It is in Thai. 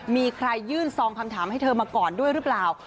มีใครยื่นซองคำถามให้เธอมาก่อนด้วยหรือเปล่า